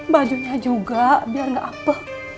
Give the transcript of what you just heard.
bajunya juga biar gak apek